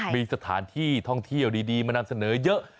มีสถานที่ท่องเที่ยวดีมานำเสนอเยอะ